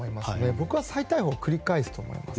僕は再逮捕を繰り返すと思います。